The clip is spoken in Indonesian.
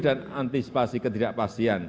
dan antisipasi ketidakpastian